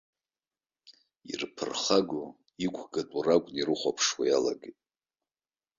Ирԥырхагоу, иқәгатәу ракәны ирыхәаԥшуа иалагеит.